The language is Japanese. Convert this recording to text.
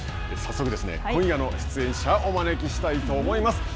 早速、今夜の出演者をお招きしたいと思います。